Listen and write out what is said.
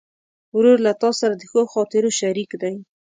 ورور له تا سره د ښو خاطرو شریک دی.